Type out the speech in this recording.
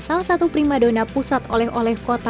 salah satu prima donna pusat oleh oleh kreativitas